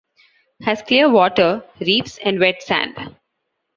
Has clear water, reefs and wet sand.